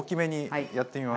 はい。